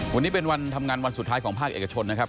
วันนี้เป็นวันทำงานวันสุดท้ายของภาคเอกชนนะครับ